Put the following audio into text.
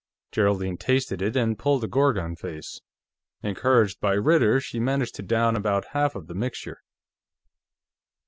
Geraldine tasted it and pulled a Gorgon face. Encouraged by Ritter, she managed to down about half of the mixture.